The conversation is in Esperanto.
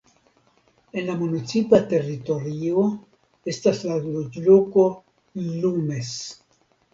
En la municipa teritorio estas la loĝloko Llumes.